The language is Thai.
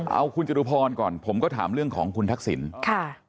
เอาคุณจตุพรก่อนผมก็ถามเรื่องของคุณทักษิณค่ะ